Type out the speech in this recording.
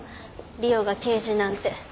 莉緒が刑事なんて。